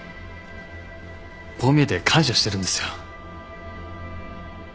こう見えて感謝してるんですよ。